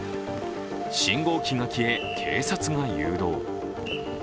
信号機が消え、警察が誘導。